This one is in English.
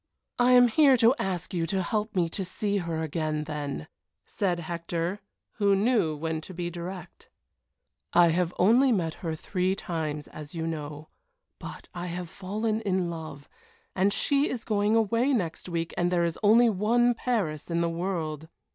"I am here to ask you to help me to see her again, then," said Hector, who knew when to be direct. "I have only met her three times, as you know, but I have fallen in love, and she is going away next week, and there is only one Paris in the world."